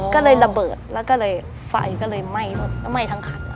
ก็เลยระเบิดแล้วก็เลยไฟก็เลยไหม้ไหม้ทั้งคัน